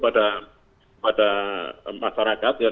baik itu kepada masyarakat